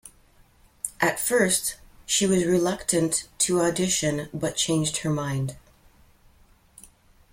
At first, she was reluctant to audition but changed her mind.